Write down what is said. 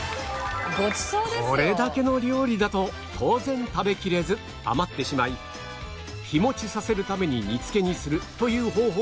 これだけの料理だと当然食べきれず余ってしまい日持ちさせるために煮付けにするという方法もあるが